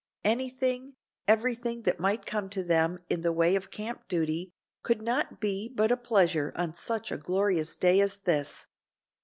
Anything, everything that might come to them in the way of camp duty, could not but be a pleasure on such a glorious day as this.